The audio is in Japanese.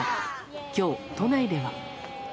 今日、都内では。